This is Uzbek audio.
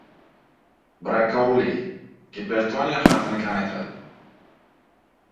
Brokkoli - Gipertoniya xavfini kamaytiradi